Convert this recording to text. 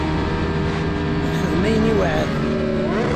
Yexdem ayen i iweɛɛed.